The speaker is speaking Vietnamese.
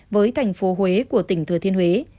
với thành phố huế của tỉnh thừa thiên huế